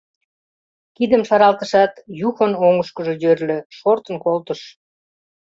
Кидым шаралтышат, Юхон оҥышкыжо йӧрльӧ, шортын колтыш.